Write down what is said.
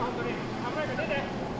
危ないから出て。